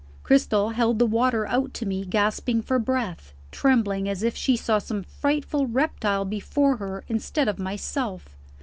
Cristel held the water out to me, gasping for breath, trembling as if she saw some frightful reptile before her instead of myself.